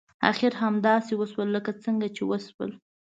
اخر همداسې وشول لکه څنګه چې وشول.